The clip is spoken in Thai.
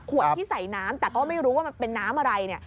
ที่ใส่น้ำแต่ก็ไม่รู้ว่ามันเป็นน้ำอะไรเนี่ย